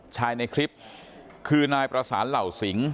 ในคลิปคือนายประสานเหล่าสิง